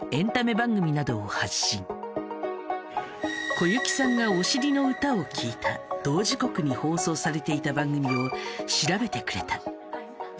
小雪さんがお尻の歌を聴いた同時刻に放送されていた番組を調べてくれた。